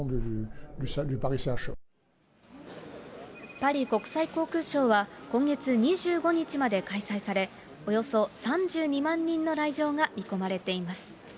パリ国際航空ショーは、今月２５日まで開催され、およそ３２万人の来場が見込まれています。